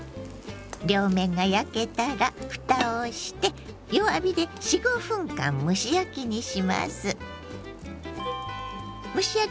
両面が焼けたらふたをして弱火で４５分間蒸し焼きにします。